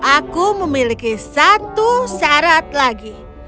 aku memiliki satu syarat lagi